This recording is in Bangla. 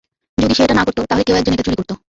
যদি সে এটা না করত, তাহলে কেউ একজন এটা চুরি করত।